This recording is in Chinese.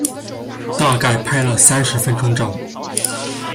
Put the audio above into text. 大概拍了三十分钟照